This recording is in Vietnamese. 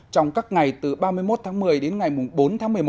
trong các ngày từ ba mươi một tháng một mươi đến ngày bốn tháng một mươi một